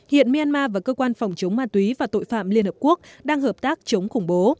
myanmar và cơ quan phòng chống ma túy và tội phạm liên hợp quốc đang hợp tác chống khủng bố